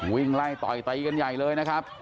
วิ่งไล่ต่อยตีกันใหญ่เลยนะครับ